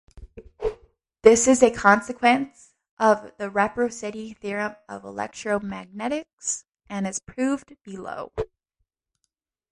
This is a consequence of the reciprocity theorem of electro-magnetics and is proved below.